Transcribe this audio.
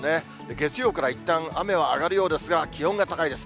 月曜からいったん、雨は上がるようですが、気温が高いです。